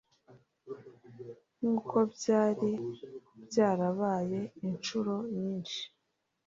nk'uko byari byarabaye incuro nyinshi